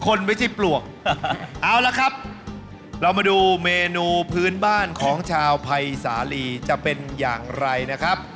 คนไม่ใช่ปลวกเอาละครับเรามาดูเมนูพื้นบ้านของชาวภัยสาลีจะเป็นอย่างไรนะครับ